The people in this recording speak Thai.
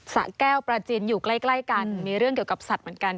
สะแก้วปราจินอยู่ใกล้กันมีเรื่องเกี่ยวกับสัตว์เหมือนกัน